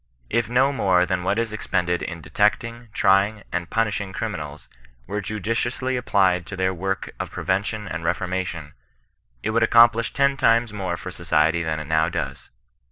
If no more than what is expended in detecting, trying, and punishing criminals, were judiciously applied to this work of prevention and reformation, it would ac complish ten times more for society than it now does.